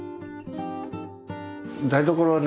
台所はね